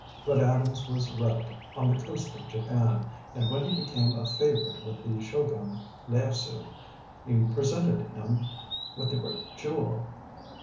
But Adams was wrecked on the coast of Japan, and when he became a favourite with the Shogun Ieyasu, he presented him with the great jewel.